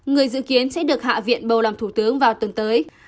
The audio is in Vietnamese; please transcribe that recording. người dự kiến sẽ được hạ viện bầu làm thủ tướng vào tuần tới